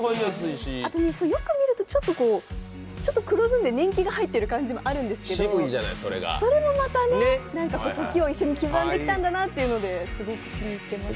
あと、よく見るとちょっと黒ずんで年季が入っている感じもあるんですけど、それもまたね、時を一緒に刻んできたんだなということで気に入ってます。